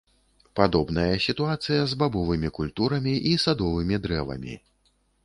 Падобная сітуацыя з бабовымі культурамі і садовымі дрэвамі.